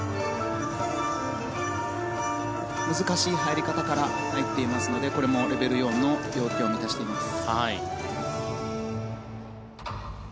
難しい入り方から入っていますのでこれもレベル４の要件を満たしています。